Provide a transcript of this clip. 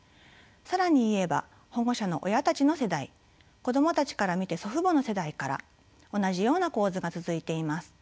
更に言えば保護者の親たちの世代子どもたちから見て祖父母の世代から同じような構図が続いています。